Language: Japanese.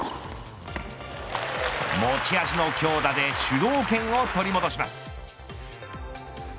持ち味の強打で主導権を取り戻します。